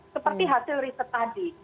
seperti hasil riset tadi